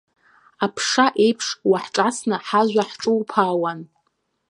Аԥша еиԥш уаҳҿасны ҳажәа ҳҿуԥаауан!